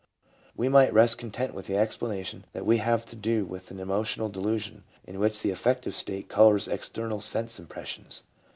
We might rest content with the explanation that we have to do with an emotional delusion in which the affective state colors external sense impressions.